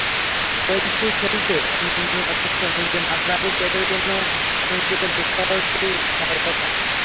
Chelsea খেলছে, অথচ নিজে মাঠের বাইরে—চেকের জন্য অনুভূতিটা দুঃসহই হওয়ার কথা।